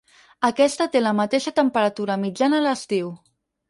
Aquesta té la mateixa temperatura mitjana a l'estiu.